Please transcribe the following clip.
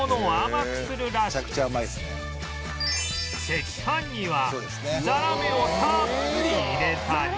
赤飯にはざらめをたっぷり入れたり